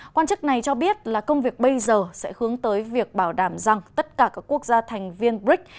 quan chức này cho biết là công việc bây giờ sẽ hướng tới việc bảo đảm rằng tất cả các quốc gia thành viên brics